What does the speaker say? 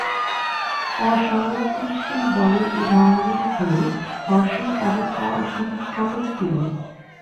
অ-সংরক্ষণশীল বলের উদাহরণ হলঃ ঘর্ষণ এবং অ-স্থিতিস্থাপক পীড়ন।